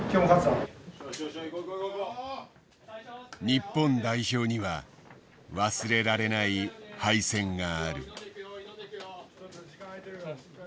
日本代表には忘れられない敗戦がある。